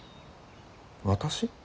私？